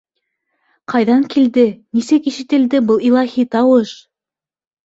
Ҡайҙан килде, нисек ишетелде был илаһи тауыш?